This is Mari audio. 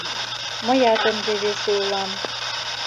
Мыят ынде весе улам.